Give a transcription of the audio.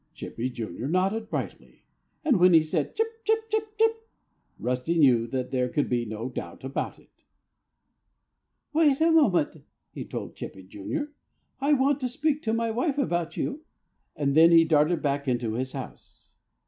Chippy, Jr., nodded brightly. And when he said, "Chip, chip, chip, chip," Rusty knew that there could be no doubt about it. "Wait just a moment!" he told Chippy, Jr. "I want to speak to my wife about you." And then he darted back into his house.